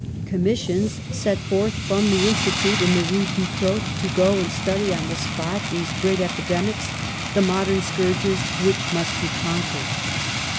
Commis sions set forth from the Institute in the Rue Dutot to go and study on the spot these great epidemics, the modern scourges which must be conquered.